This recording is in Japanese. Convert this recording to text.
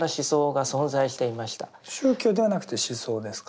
宗教ではなくて思想ですか。